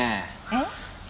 えっ？